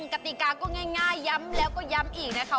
กติกาก็ง่ายย้ำแล้วก็ย้ำอีกนะคะ